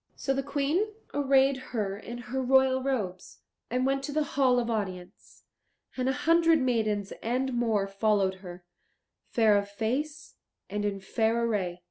So the Queen arrayed her in her royal robes, and went to the hall of audience, and a hundred maidens and more followed her, fair of face and in fair array.